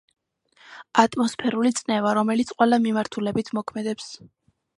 ატმოსფერული წნევა რომელიც ყველა მიმართულებით მოქმედებს